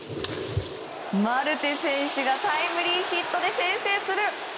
マルテ選手がタイムリーヒットで先制する。